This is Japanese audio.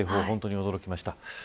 本当に驚きました。